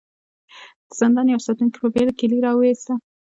د زندان يوه ساتونکي په بېړه کيلې را وايسته.